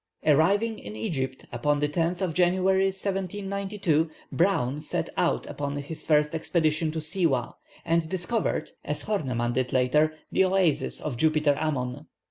Arriving in Egypt upon the 10th of January, 1792, Browne set out upon his first expedition to Siwâh, and discovered, as Horneman did later, the oasis of Jupiter Ammon.